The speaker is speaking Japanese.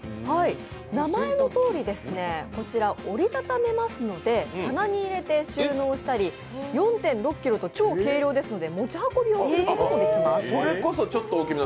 名前のとおり、折り畳めますので、棚に入れて収納したり４．６ｋｇと超軽量ですので持ち運びをすることもできます。